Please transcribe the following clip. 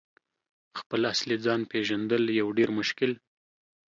» خپل اصلي ځان « پیژندل یو ډیر مشکل